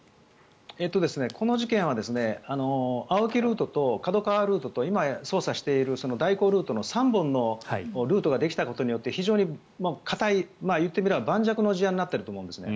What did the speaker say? この事件はＡＯＫＩルートとＫＡＤＯＫＡＷＡルートと今、捜査している大広ルートの３本のルートができたことによって非常に固い言ってみれば盤石の事案になっているんですね。